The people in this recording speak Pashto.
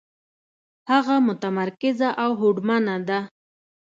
هغه متمرکزه او هوډمنه ده.